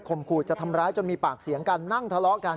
ขู่จะทำร้ายจนมีปากเสียงกันนั่งทะเลาะกัน